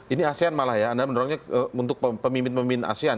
ini asean malah ya anda mendorongnya untuk pemimpin pemimpin asean